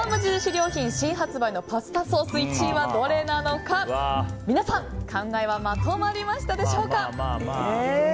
良品新発売のパスタソース１位はどれなのか皆さん、考えはまとまりましたでしょうか。